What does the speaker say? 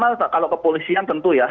ya pertama kalau kepolisian tentu ya